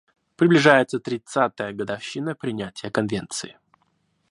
Приближается тридцатая годовщина принятия Конвенции.